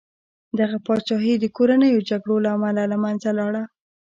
دغه پاچاهي د کورنیو جګړو له امله له منځه لاړه.